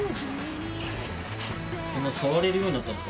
そんな触れるようになったんですか？